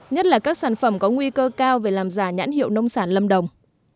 nhất là các sản phẩm có nguy cơ cao về làm giả nhãn hiệu nông sản lâm đồng